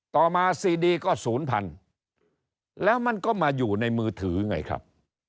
ต่อมาซีดีก็ศูนย์พันแล้วมันก็มาอยู่ในมือถือไงครับ